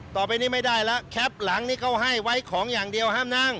ต่อไปนี้ไม่ได้แล้วแคปหลังนี่เขาให้ไว้ของอย่างเดียวห้ามนั่ง